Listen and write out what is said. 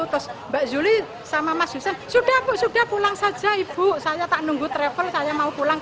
tos mbak juli sama mas hussien sudah sudah pulang saja ibu saya tak nunggu travel saya mau pulang